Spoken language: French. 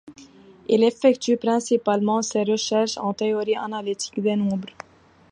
Il effectue principalement ses recherches en théorie analytique des nombres.